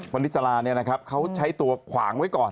วันนี้จราเนี่ยนะครับเขาใช้ตัวขวางไว้ก่อน